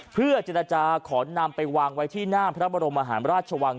เพื่อเจรจาขอนำไปวางไว้ที่หน้าพระบรมหาราชวัง